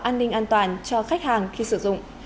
an ninh an toàn cho khách hàng khi sử dụng